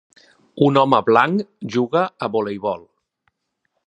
Un home blanc juga a voleibol.